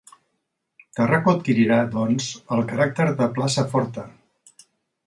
Tàrraco adquirirà, doncs, el caràcter de plaça forta.